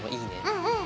うんうん。